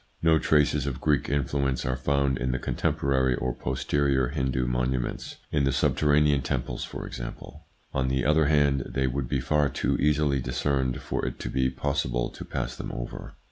No traces of Greek influence are found in the contemporary or posterior Hindu monuments, in the subterranean temples for example. On the other hand, they would be far too easily discerned for it to be possible to pass them over.